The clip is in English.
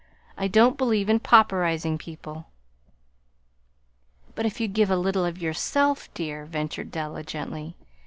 I don't believe in pauperizing people." "But if you'd give a little of yourself, dear," ventured Della, gently.